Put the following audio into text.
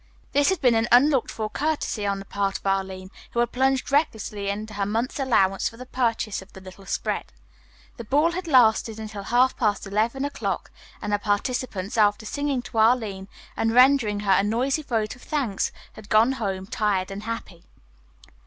This had been an unlooked for courtesy on the part of Arline, who had plunged recklessly into her month's allowance for the purchase of the little spread. The ball had lasted until half past eleven o'clock, and the participants, after singing to Arline and rendering her a noisy vote of thanks, had gone home tired and happy.